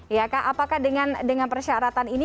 ya kak apakah dengan persyaratan ini